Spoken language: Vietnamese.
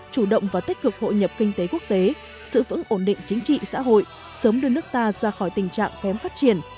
chủ động và tích cực hội nhập kinh tế quốc tế sự vững ổn định chính trị xã hội sớm đưa nước ta ra khỏi tình trạng kém phát triển